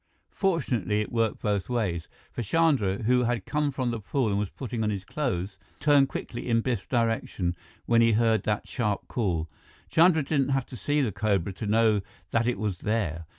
Fortunately, it worked both ways, for Chandra, who had come from the pool and was putting on his clothes, turned quickly in Biff's direction when he heard that sharp call. Chandra didn't have to see the cobra to know that it was there.